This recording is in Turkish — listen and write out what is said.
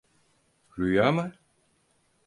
Rüya mı?